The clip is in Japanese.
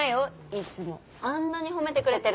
いつもあんなに褒めてくれてるのに。